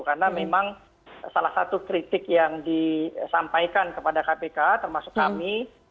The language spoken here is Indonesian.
karena memang salah satu kritik yang disampaikan kepada kpk termasuk kami